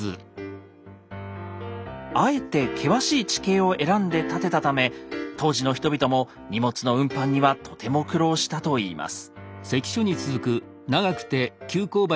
あえて険しい地形を選んで建てたため当時の人々も荷物の運搬にはとても苦労したといいます。